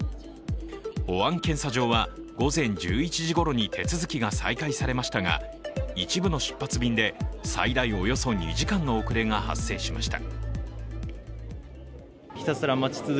保安検査場は午前１１時ごろに手続きが再開されましたが一部の出発便で最大およそ２時間の遅れが発生しました。